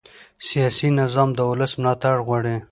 سیاسي نظام د ولس ملاتړ غواړي